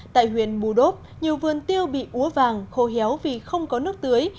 tại huyền mù đốp nhiều vườn tiêu bị úa vàng khô héo vì không có nước tưới